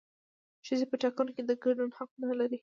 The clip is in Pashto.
ښځې په ټاکنو کې د ګډون حق نه لري